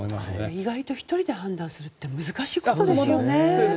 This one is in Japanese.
意外と１人で判断するって難しいことですよね。